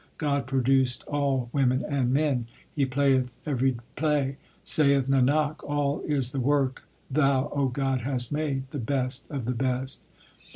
God produced all women and men ; He playeth every play. Saith Nanak, all is the work Thou, O God, hast made the best of the best.